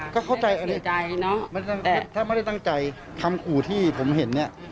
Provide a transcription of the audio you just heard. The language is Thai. ก็เข้าใจไม่ได้ตั้งใจเนอะแต่ถ้าไม่ได้ตั้งใจคำกลัวที่ผมเห็นเนี่ย